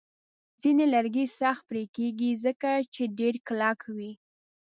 ځینې لرګي سخت پرې کېږي، ځکه چې ډیر کلک وي.